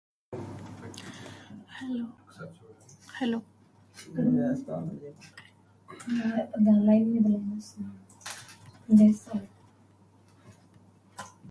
Barbin's memoirs inspired the French film "The Mystery of Alexina".